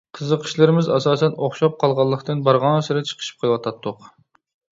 قىزىقىشلىرىمىز ئاساسەن ئوخشاپ قالغانلىقتىن بارغانسېرى چىقىشىپ قېلىۋاتاتتۇق.